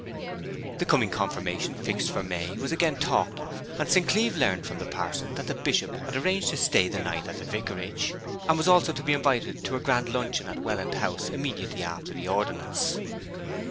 The coming confirmation, fixed for May, was again talked of; and St. Cleeve learnt from the parson that the Bishop had arranged to stay the night at the vicarage, and was to be invited to a grand luncheon at Welland House immediately after the ordinance.